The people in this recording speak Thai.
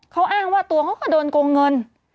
เขาอ้างว่าตัวเขาก็โดนโกงเงิน